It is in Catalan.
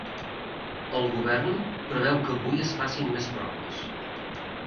El govern preveu que avui es facin més proves.